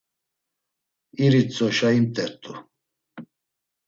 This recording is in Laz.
İritzoşa imt̆ert̆u.